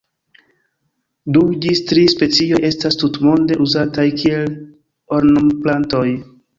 Du ĝis tri specioj estas tutmonde uzataj kiel ornamplantoj.